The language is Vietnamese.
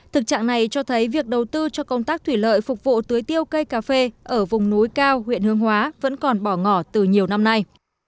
thực trạng này cho thấy việc đầu tư cho công tác thủy lợi phục vụ tưới tiêu cây cà phê ở vùng núi cao huyện hương hóa vẫn còn bỏ ngỏ từ nhiều năm nay